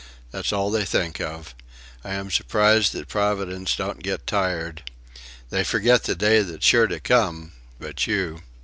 That's all they think of. I am surprised that Providence don't get tired.... They forget the day that's sure to come... but you...."